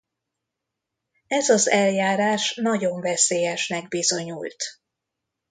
Ez az eljárás nagyon veszélyesnek bizonyult.